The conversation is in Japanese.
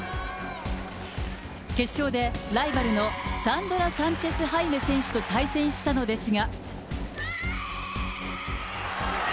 決勝で、ライバルのサンドラ・サンチェスハイメ選手と対戦したのですが。